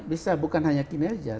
bisa bukan hanya kinerja